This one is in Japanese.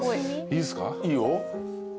いいよ。